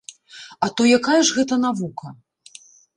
А то якая ж гэта навука?